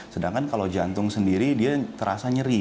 sedangkan kalau jantung sendiri dia terasa nyeri